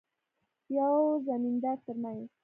یوه زمیندار ترمنځ.